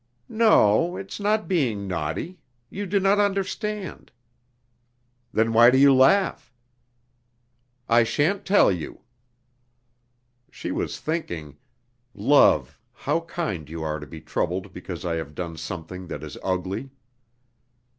"No, it's not being naughty. You do not understand." "Then why do you laugh?" "I shan't tell you." (She was thinking: "Love! how kind you are to be troubled because I have done something that is ugly!")